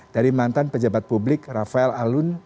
dari mantan pejabat publik rafael alun